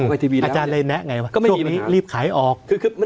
อาจารย์แนะไงส่วนนี้รีบขายออก